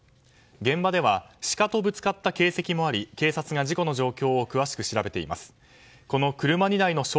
現場ではシカとぶつかった形跡もあり警察が事故の状況を詳しく調べています。